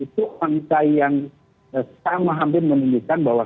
itu angka yang sama hampir menunjukkan bahwa